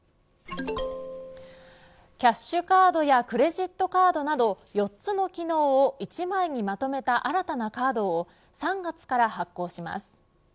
キャッシュカードやクレジットカードなど４つの機能を一枚にまとめた新たなカードを３月から発行します。